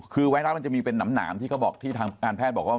คือไวรัสมันจะมีเป็นน้ำหนามที่ทางการแพทย์บอกว่า